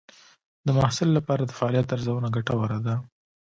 د محصل لپاره د فعالیت ارزونه ګټوره ده.